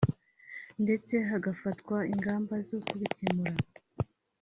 ndetse hagafatwa ingamba zo kubikemura